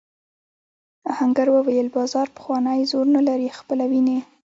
آهنګر وویل بازار پخوانی زور نه لري خپله وینې.